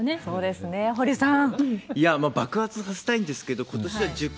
そうですね。堀さん。